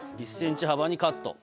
１ｃｍ幅にカット。